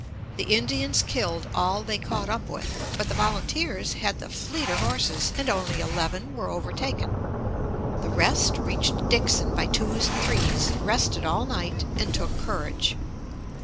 The Indians killed all they caught up with; but the volunteers had the fleeter horses, and only eleven were overtaken. The rest reached Dixon by twos and threes, rested all night, and took courage.